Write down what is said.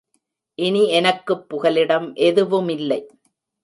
இனி எனக்குப் புகலிடம் எதுவுமில்லை.